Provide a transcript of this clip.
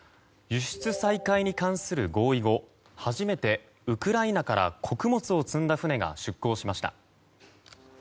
輸出再開に関する合意後初めて、ウクライナから穀物を積んだ船が出港しました。